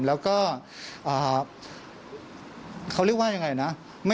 แล้วก็เขาเรียกว่ายังไงนะ